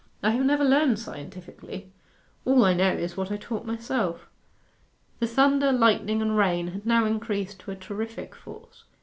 'I have never learned scientifically. All I know is what I taught myself.' The thunder, lightning, and rain had now increased to a terrific force.